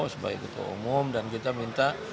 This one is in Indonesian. sebagai ketua umum dan kita minta